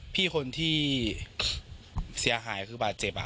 พี่คนที่เสียหายคือบาดเจ็บ